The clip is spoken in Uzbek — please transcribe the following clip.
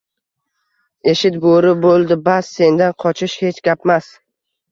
Eshit, bo’ri, bo’ldi bas, sendan qochish hech gapmas!